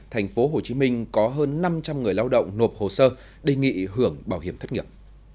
thành phố hồ chí minh có hơn năm trăm linh người lao động nộp hồ sơ đề nghị hưởng bảo hiểm thất nghiệp